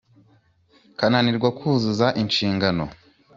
kananirwaga kuzuza inshingano